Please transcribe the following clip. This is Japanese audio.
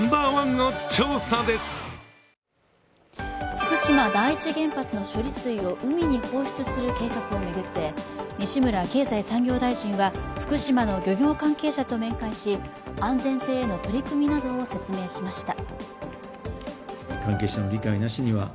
福島第一原発の処理水を海に放出する計画を巡って西村経済産業大臣は福島の漁業関係者と面会し安全性への取り組みなどを説明しました。